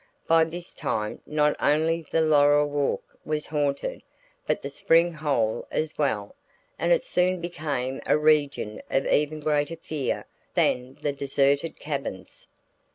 By this time, not only the laurel walk was haunted, but the spring hole as well; and it soon became a region of even greater fear than the deserted cabins.